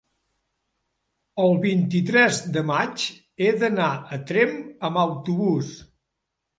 el vint-i-tres de maig he d'anar a Tremp amb autobús.